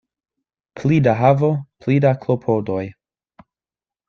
Pli da havo, pli da klopodoj.